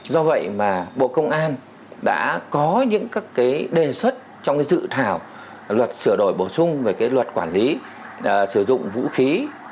do vậy mà bộ công an đã có những các cái đề xuất trong cái dự thảo luật sửa đổi bổ sung về cái luật quản lý sử dụng vũ khí